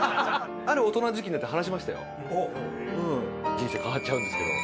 人生変わっちゃうんですけど。